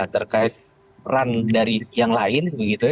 terkait peran dari yang lain